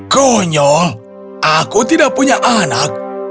konyol aku tidak punya anak